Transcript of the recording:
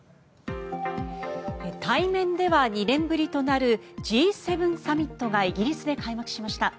対面では２年ぶりとなるＧ７サミットがイギリスで開幕しました。